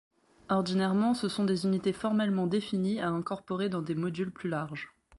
Ordinairement, ce sont des unités formellement définies à incorporer dans des modules plus larges.